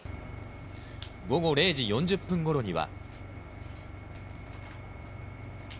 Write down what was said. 午後０時４０分ごろには。